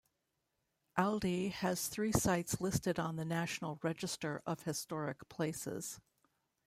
Aldie has three sites listed on the National Register of Historic Places.